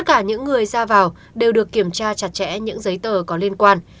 tất cả những người ra vào đều được kiểm tra chặt chẽ những giấy tờ có liên quan